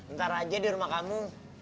ntar aja di rumah kamu